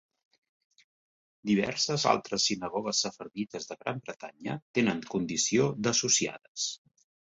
Diverses altres sinagogues sefardites de Gran Bretanya tenen condició d'associades.